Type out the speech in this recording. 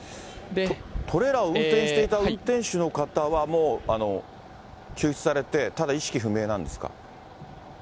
トレーラーを運転していた運転手の方は、救出されて、ただ、意識不明なんですか？